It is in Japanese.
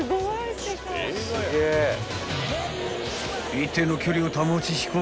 ［一定の距離を保ち飛行していく］